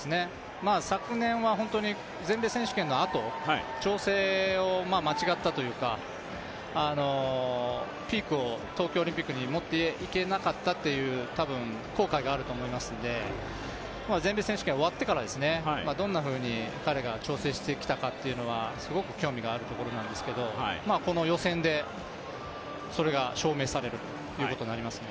昨年は本当に全米選手権のあと調整を間違ったというかピークを東京オリンピックに持っていけなかったっていう後悔があると思いますので全米選手権終わってからですね、どんなふうに彼が調整してきたかというのはすごく興味があるところなんですけど、この予選でそれが証明されるということになりますね。